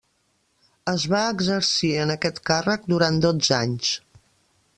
Es va exercir en aquest càrrec durant dotze anys.